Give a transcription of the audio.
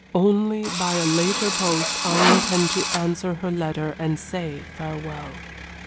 Only, by a later post, I intend to answer her letter and say farewell.